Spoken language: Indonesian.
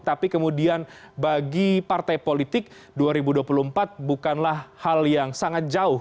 tapi kemudian bagi partai politik dua ribu dua puluh empat bukanlah hal yang sangat jauh